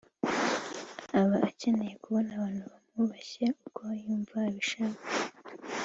aba akeneye kubona abantu bamwubashye uko yumva abishaka